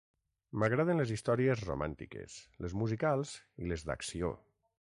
M'agraden les històries romàntiques, les musicals i les d'acció.